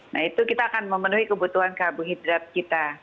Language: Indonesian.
nah itu kita akan memenuhi kebutuhan karbohidrat kita